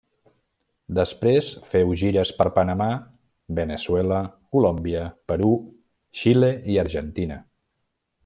Després féu gires per Panamà, Veneçuela, Colòmbia, Perú, Xile i Argentina.